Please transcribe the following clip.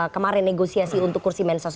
kemarin negosiasi untuk kursi mensos